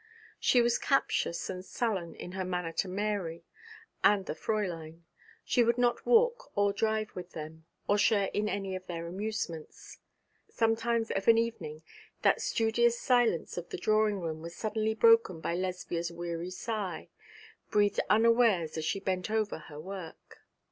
She was captious and sullen in her manner to Mary and the Fräulein. She would not walk or drive with them, or share in any of their amusements. Sometimes of an evening that studious silence of the drawing room was suddenly broken by Lesbia's weary sigh, breathed unawares as she bent over her work.